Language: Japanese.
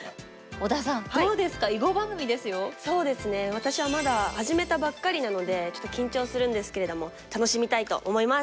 私はまだ始めたばっかりなのでちょっと緊張するんですけれども楽しみたいと思います！